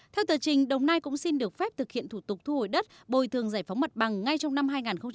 theo tờ trình đồng nai cũng xin được phép thực hiện thủ tục thu hồi đất bồi thường giải phóng mặt bằng ngay trong năm hai nghìn hai mươi